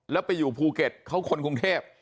แล้วไปอยู่ภูเก็ตเขาคนกรุงเทพ